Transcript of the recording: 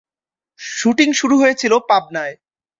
Shooting শুরু হয়েছিল পাবনায়।